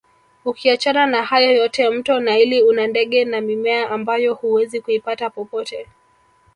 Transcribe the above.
Ukiachana na hayo yote mto naili una ndege na mimea ambayo huwezi kuipata popote